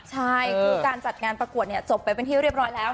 ใช่คือการจัดงานประกวดเนี่ยจบไปเป็นที่เรียบร้อยแล้ว